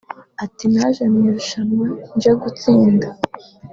Ati “Naje mu irushanwa nje gutsinda